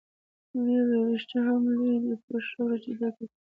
ویې ویل: رښتیا هم لوی دی، پوښ راکړه چې ډک یې کړم.